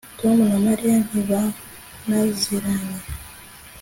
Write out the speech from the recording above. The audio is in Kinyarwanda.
Tom na Mariya ntibanaziranye